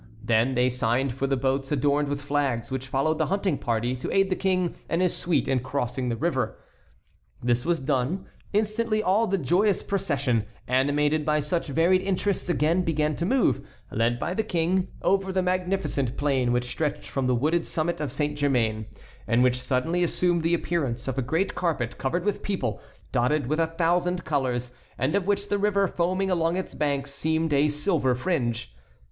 Then they signed for the boats adorned with flags which followed the hunting party to aid the King and his suite in crossing the river. This was done. Instantly all the joyous procession, animated by such varied interests, again began to move, led by the King, over the magnificent plain which stretched from the wooded summit of Saint Germain, and which suddenly assumed the appearance of a great carpet covered with people, dotted with a thousand colors, and of which the river foaming along its banks seemed a silver fringe.